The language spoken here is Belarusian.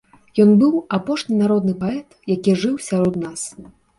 Ён быў апошні народны паэт, які жыў сярод нас.